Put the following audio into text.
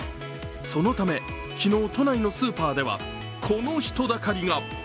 そのため、昨日、都内のスーパーではこの人だかりが。